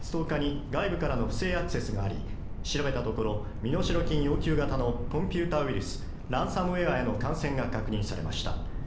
今月１０日に外部からの不正アクセスがあり調べたところ身代金要求型のコンピューターウイルスランサムウェアへの感染が確認されました